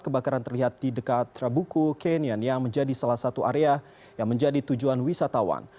kebakaran terlihat di dekat trabuku kenion yang menjadi salah satu area yang menjadi tujuan wisatawan